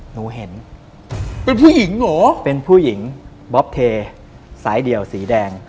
หนูเห็นเป็นผู้หญิงเหรอเป็นผู้หญิงบ๊อบเทสายเดี่ยวสีแดง